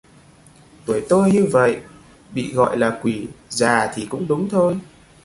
Tuổi tôi như vậy bị gọi là quỷ già thì cũng đúng thôi